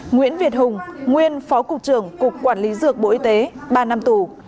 nguyễn việt hùng nguyên phó cục trưởng cục quản lý dược bộ y tế ba năm tù